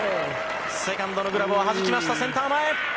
セカンドのグラブをはじいてセンター前。